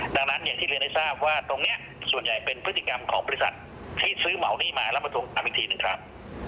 ดังนั้นอย่างที่เรียนให้ทราบว่าตรงนี้ส่วนใหญ่เป็นพฤติกรรมของบริษัทที่ซื้อเหมาหนี้มาแล้วมาทวงถามอีกทีหนึ่งครับ